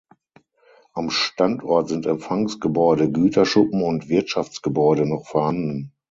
Am Standort sind Empfangsgebäude, Güterschuppen und Wirtschaftsgebäude noch vorhanden.